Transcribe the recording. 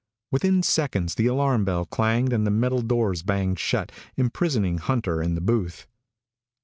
Within seconds the alarm bell clanged and the metal doors banged shut, imprisoning Hunter in the booth.